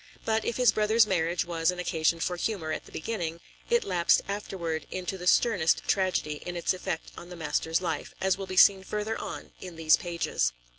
But if his brother's marriage was an occasion for humor at the beginning, it lapsed afterward into the sternest tragedy in its effect on the master's life, as will be seen further on in these pages.